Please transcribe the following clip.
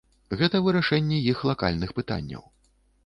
Гэта вырашэнне іх лакальных пытанняў.